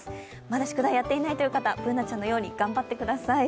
まだ宿題やっていないという方、Ｂｏｏｎａちゃんのように頑張ってください。